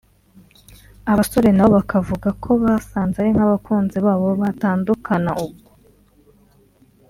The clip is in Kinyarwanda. abasore na bo bakavuga ko basanze ari nk’abakunzi babo batandukana ubwo